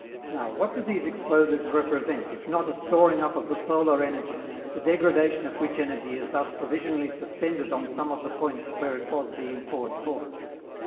Now, what do these explosives represent if not a storing up of the solar energy, the degradation of which energy is thus provisionally suspended on some of the points where it was being poured forth?